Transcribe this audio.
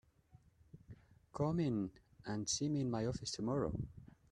Come in and see me in my office tomorrow.